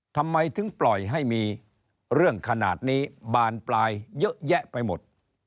ทำไมถึงปล่อยให้มีเรื่องขนาดนี้บานปลายเยอะแยะไปหมด